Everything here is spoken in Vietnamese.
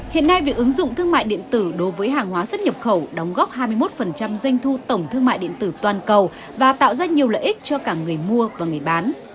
hiện nay việc ứng dụng thương mại điện tử đối với hàng hóa xuất nhập khẩu đóng góp hai mươi một doanh thu tổng thương mại điện tử toàn cầu và tạo ra nhiều lợi ích cho cả người mua và người bán